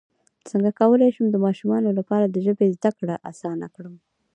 څنګه کولی شم د ماشومانو لپاره د ژبې زدکړه اسانه کړم